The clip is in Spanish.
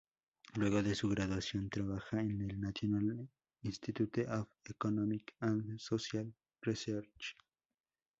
Luego de su graduación, trabaja en el National Institute of Economic and Social Research.